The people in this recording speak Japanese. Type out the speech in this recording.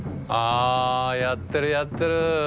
・・あやってるやってる！